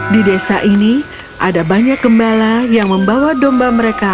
di desa ini ada banyak gembala yang membawa domba mereka